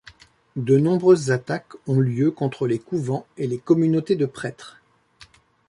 De nombreuses attaques ont lieu contre les couvents et les communautés de prêtres.